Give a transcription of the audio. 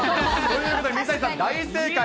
ということで水谷さん、大正解。